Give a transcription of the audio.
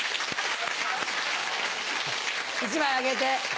１枚あげて。